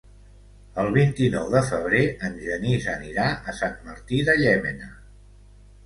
El vint-i-nou de febrer en Genís anirà a Sant Martí de Llémena.